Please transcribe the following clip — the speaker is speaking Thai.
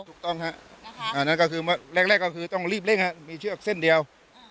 ถูกต้องฮะอันนั้นก็คือแรกก็คือต้องรีบเร่งมีเชือกเส้นเดียว